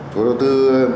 chủ đầu tư